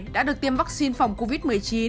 đã được tiêm vaccine phòng covid một mươi chín